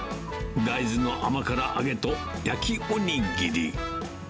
大豆の甘から揚げと焼きおにぎり。